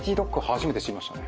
初めて知りましたね。